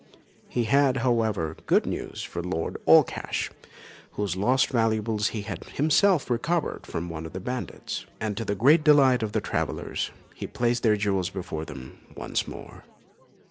He had, however, good news for Lord Allcash, whose lost valuables he had himself recovered from one of the bandits; and to the great delight of the travellers, he placed their jewels before them once more.